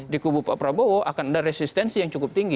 di kubu pak prabowo akan ada resistensi yang cukup tinggi